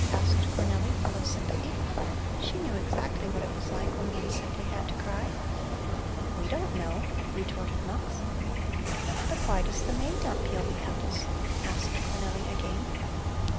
asked Cornelli, full of sympathy. She knew exactly what it was like when one simply had to cry. "We don't know," retorted Mux. "But why does the maid not peel the apples?" asked Cornelli again.